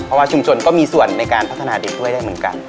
เพราะว่าชุมชนก็มีส่วนในการพัฒนาเด็กด้วยได้เหมือนกัน